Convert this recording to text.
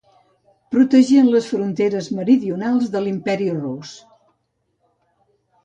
Protegien les fronteres meridionals de l'Imperi Rus.